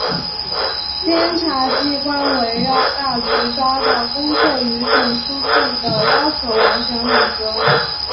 检察机关围绕大局抓的工作与总书记的要求完全吻合